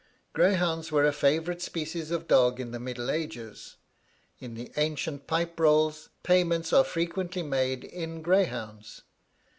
Greyhounds were a favourite species of dog in the middle ages. In the ancient pipe rolls, payments are frequently made in greyhounds.